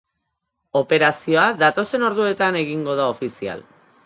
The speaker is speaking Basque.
Operazioa datozen orduetan egingo da ofizial.